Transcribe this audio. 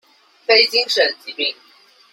非精神疾病